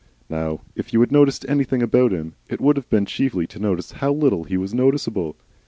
Now if you had noticed anything about him, it would have been chiefly to notice how little he was noticeable.